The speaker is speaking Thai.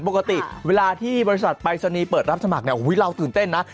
ปกติเวลาที่บริษัทปรายศนีย์เปิดรับสมัครเนี่ยเราตื่นเต้นนะ